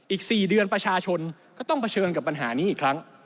อีก๔เดือนประชาชนก็ต้องเผชิญกับปัญหานี้อีกครั้ง